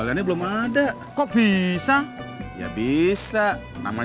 rusty udah ambil pasang bunun